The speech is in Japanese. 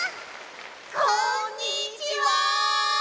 こんにちは！